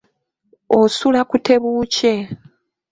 Osula ku tebuukye.